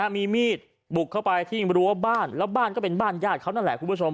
มีมีดบุกเข้าไปที่รั้วบ้านแล้วบ้านก็เป็นบ้านญาติเขานั่นแหละคุณผู้ชม